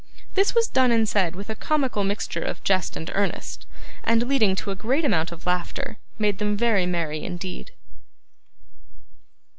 This was done and said with a comical mixture of jest and earnest, and, leading to a great amount of laughter, made them very merry indeed.